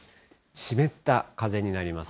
湿った風になります。